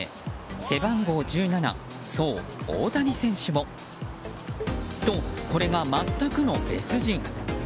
背番号１７、そう大谷選手も。と、これが全くの別人。